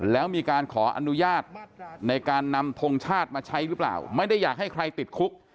แล้วมีการขออนุญาตในการนำทงชาติมาใช้หรือเปล่าไม่ได้อยากให้ใครติดคุก